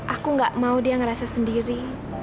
aku gak mau dia ngerasa sendiri